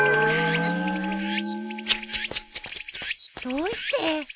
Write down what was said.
どうして？